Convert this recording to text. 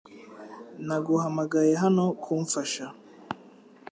Naguhamagaye hano kumfasha .